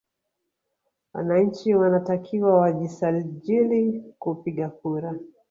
Wananchi wanatakiwa wajisajili kupiga kura